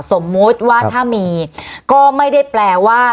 สมมุติว่าถ้ามีก็ไม่ได้แปลว่า